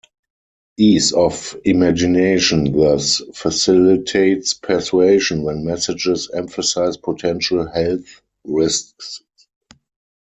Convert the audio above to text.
Ease of imagination thus facilitates persuasion when messages emphasize potential health risks.